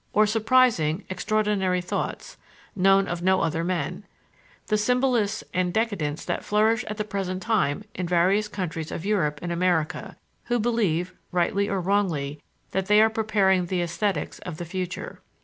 or surprising, extraordinary thoughts, known of no other men (the symbolists and decadents that flourish at the present time in various countries of Europe and America, who believe, rightly or wrongly, that they are preparing the esthetics of the future).